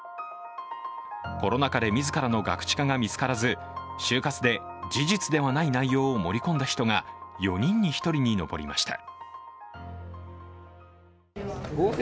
コロナ禍で自らのガクチカが見つからず就活で事実ではない内容を盛り込んだ人が４人に１人上りました。